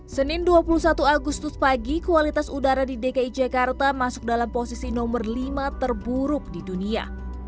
senin dua puluh satu agustus pagi kualitas udara di dki jakarta masuk dalam posisi nomor lima terburuk di dunia